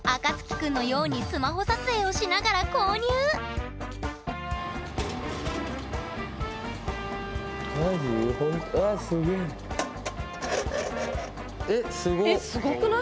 君のようにスマホ撮影をしながら購入えっすごくない？